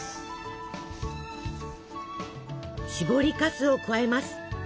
しぼりかすを加えます。